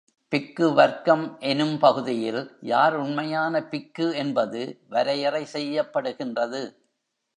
பிக்கு வர்க்கம் எனும் பகுதியில் யார் உண்மையான பிக்கு என்பது வரையறை செய்யப்படுகின்றது.